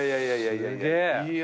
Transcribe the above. いやいやいやいや。